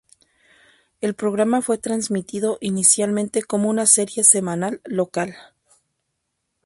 El programa fue transmitido inicialmente como una serie semanal local.